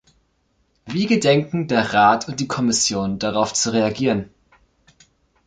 Wie gedenken der Rat und die Kommission darauf zu reagieren?